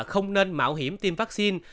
không nên mạo hiểm tiêm vaccine